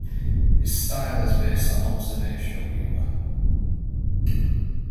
His style is based on observational humour.